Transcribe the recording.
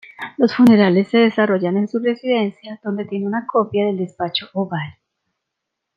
Los funerales se desarrollan en su residencia, donde tiene una copia del Despacho Oval.